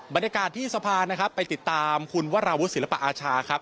บรรยากาศที่สะพานนะครับไปติดตามคุณวราวุฒิศิลปะอาชาครับ